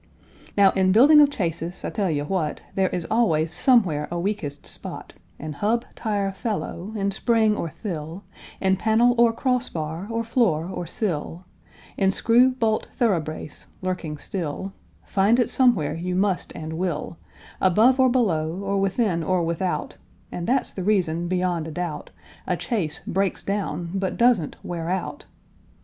Now in building of chaises, I tell you what, There is always somewhere a weakest spot, In hub, tire, felloe, in spring or thill, In panel, or crossbar, or floor, or sill, In screw, bolt, thoroughbrace, lurking still, Find it somewhere you must and will, Above or below, or within or without, And that's the reason, beyond a doubt, That a chaise breaks down, but doesn't wear out.